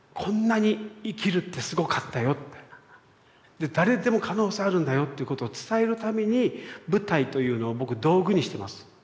で誰でも可能性あるんだよということを伝えるために舞台というのを僕道具にしてます。